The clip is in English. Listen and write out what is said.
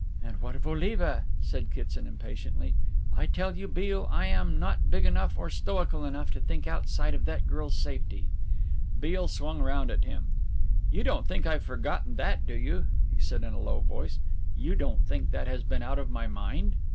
"But what of Oliva?" said Kitson impatiently, "I tell you, Beale, I am not big enough or stoical enough to think outside of that girl's safety." Beale swung round at him. "You don't think I've forgotten that, do you?" he said in a low voice. "You don't think that has been out of my mind?"